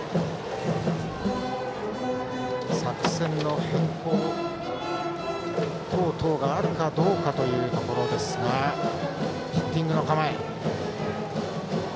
作戦の変更等々があるかどうかというところですがヒッティングの構え。